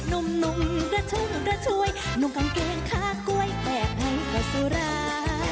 นุ่มระทุ่งระท่วยนุ่มกางเกงค่ากล้วยแปบให้ก็สุรา